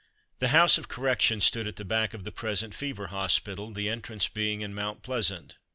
The House of Correction stood at the back of the present Fever Hospital, the entrance being in Mount Pleasant.